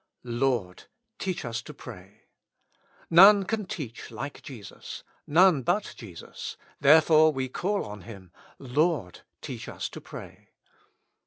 " ZcT^, teach us to pray." None can teach like Jesus, none but Jesus ; therefore we call on Him, " Lord, teach us to pray."